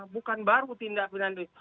bukan baru tindak penandu